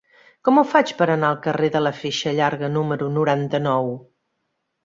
Com ho faig per anar al carrer de la Feixa Llarga número noranta-nou?